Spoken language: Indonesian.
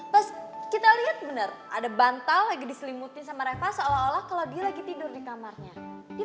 pas kita liat bener ada bantal lagi diselimutin sama reva seolah olah kalo dia lagi tidur di kamarnya